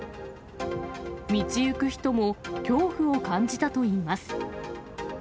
道行く人も恐怖を感じたといいます。